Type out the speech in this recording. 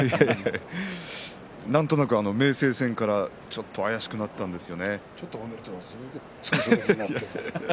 なんとなく明生戦から怪しくなったんですよね。